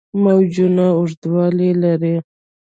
موجونه اوږدوالي لري.